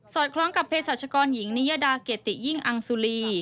คล้องกับเพศรัชกรหญิงนิยดาเกติยิ่งอังสุรี